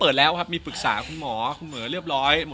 จะรักเธอเพียงคนเดียว